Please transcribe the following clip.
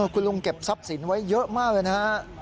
คุณลุงเก็บทรัพย์สินไว้เยอะมากเลยนะฮะ